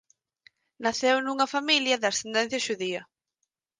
Naceu nunha familia de ascendencia xudía.